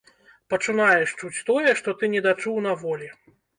Пачынаеш чуць тое, што ты недачуў на волі.